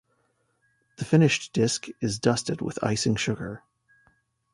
The finished disc is dusted with icing sugar.